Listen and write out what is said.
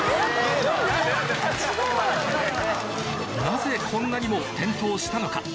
なぜこんなにも転倒したのか？